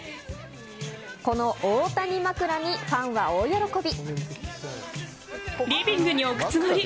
この大谷枕にファンは大喜び。